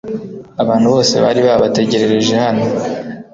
Abantu bose bari babategerereje hano .